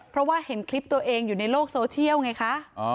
เพราะว่าเห็นคลิปตัวเองอยู่ในโลกโซเชียลไงคะ